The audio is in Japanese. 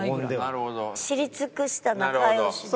知り尽くした仲良しで。